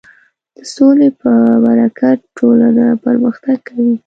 د سولې په برکت ټولنه پرمختګ کوي.